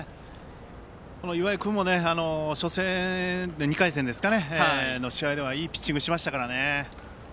岩井君も２回戦の試合ではいいピッチングしましたからね。